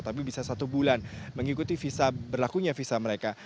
tapi bisa satu bulan mengikuti berlakunya visa mereka